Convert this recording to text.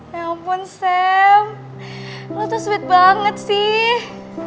ya ampun sam lo tuh sweet banget sih